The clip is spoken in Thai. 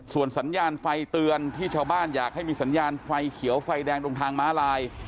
ส่วนสัญญาณไฟเตือนที่ชาวบ้านอยากให้มีสัญญาณไฟเขียวไฟแดงตรงทางม้าลาย